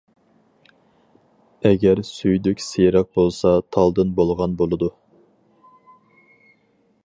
ئەگەر سۈيدۈك سېرىق بولسا تالدىن بولغان بولىدۇ.